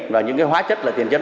và những hóa chất là tiền chất